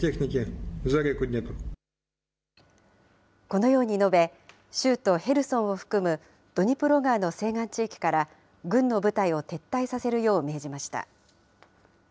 このように述べ、州都ヘルソンを含むドニプロ川の西岸地域から、軍の部隊を撤退させるよう命じました。